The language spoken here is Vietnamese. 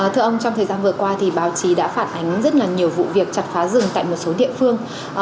thưa ông trong thời gian vừa qua thì báo chí đã phản ánh rất là nhiều vụ việc chặt phá rừng tại một số địa phương